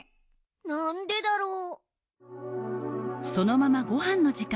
なんでだろう？